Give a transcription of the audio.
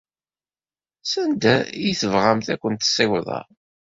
Sanda ay tebɣamt ad kent-ssiwḍeɣ.